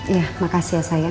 ya makasih ya sayang